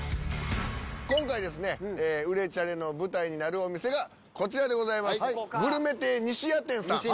今回ですね、売れチャレの舞台になるお店がこちらでございます。